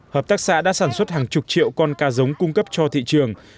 hợp tác xã đã sản xuất hàng chục triệu con cá giống cung cấp cho thị trường